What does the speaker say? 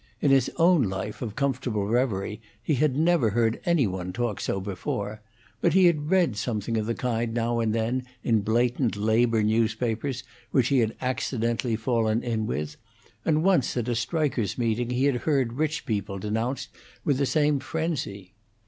In his own life of comfortable reverie he had never heard any one talk so before, but he had read something of the kind now and then in blatant labor newspapers which he had accidentally fallen in with, and once at a strikers' meeting he had heard rich people denounced with the same frenzy.